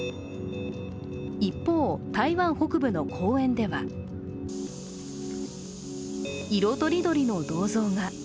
一方、台湾北部の公園では色とりどりの銅像が。